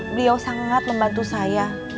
beliau sangat membantu saya